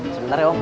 sebentar ya om